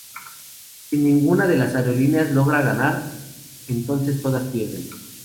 Si ninguna de las aerolíneas logra ganar, entonces todas pierden.